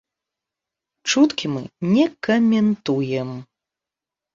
Чуткі мы не ка-мен-ту-ем.